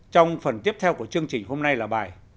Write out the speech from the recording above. trong phần tiếp theo của chương trình hôm nay là bài